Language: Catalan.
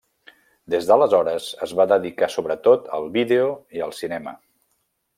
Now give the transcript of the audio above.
Des d'aleshores, es va dedicar sobretot al vídeo i al cinema.